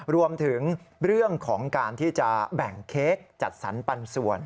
รวมถึงเรื่องของการที่จะแบ่งเค้กจัดสรรปันส่วน